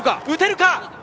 打てるか？